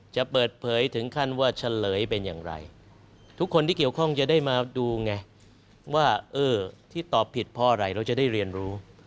จะเปิดเผยถึงขั้นว่าเฉลยเป็นอย่างไรทุกคนที่เกี่ยวข้องจะได้มาดูไงว่าเออที่ตอบผิดเพราะอะไรเราจะได้เรียนรู้